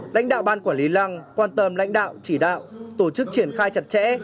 lãnh đạo ban quản lý lăng quan tâm lãnh đạo chỉ đạo tổ chức triển khai chặt chẽ